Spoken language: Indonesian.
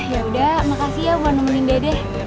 ya udah makasih ya buat nemenin dede